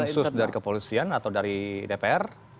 ini tim sus dari kepolisian atau dari dpr